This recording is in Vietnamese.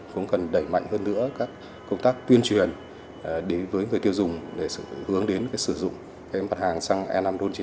cũng cần đẩy mạnh hơn nữa các công tác tuyên truyền với người tiêu dùng để hướng đến sử dụng mặt hàng xăng e năm một chín hai